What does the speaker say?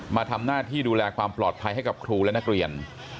มาทำหน้าที่ดูแลความปลอดภัยให้กับครูและนักเรียน